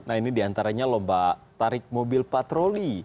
nah ini diantaranya lomba tarik mobil patroli